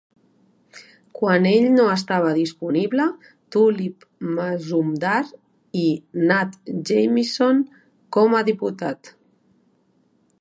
Quan ell no estava disponible, Tulip Mazumdar i Nat Jamieson com a diputat.